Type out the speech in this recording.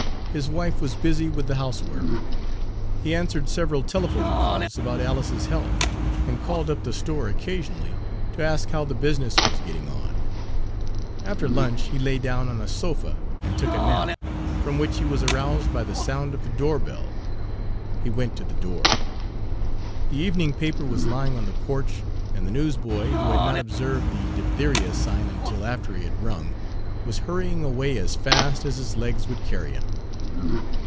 His wife was busy with the housework. He answered several telephone calls about Alice's health, and called up the store occasionally to ask how the business was getting on. After lunch he lay down on a sofa and took a nap, from which Page 129 he was aroused by the sound of the door bell. He went to the door. The evening paper was lying on the porch, and the newsboy, who had not observed the diphtheria sign until after he had rung, was hurrying away as fast as his legs would carry him.